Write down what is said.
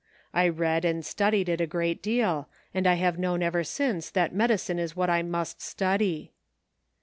I read and studied it a great deal, and I have known ever since that medicine is what I must study."